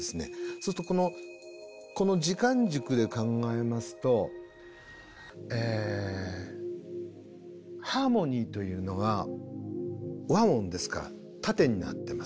そうするとこの時間軸で考えますとハーモニーというのは和音ですから縦になってます。